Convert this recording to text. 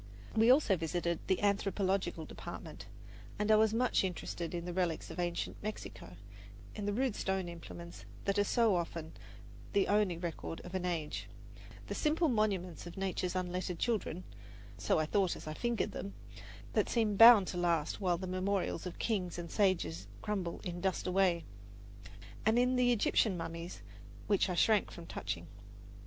We also visited the anthropological department, and I was much interested in the relics of ancient Mexico, in the rude stone implements that are so often the only record of an age the simple monuments of nature's unlettered children (so I thought as I fingered them) that seem bound to last while the memorials of kings and sages crumble in dust away and in the Egyptian mummies, which I shrank from touching.